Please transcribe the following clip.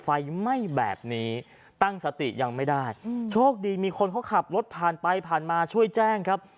ไฟไหม้แบบนี้ตั้งสติยังไม่ได้โชคดีมีคนเขาขับรถผ่านไปผ่านมาช่วยแจ้งครับ